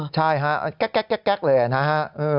ใช่แก๊กเลยอ่ะนะฮะ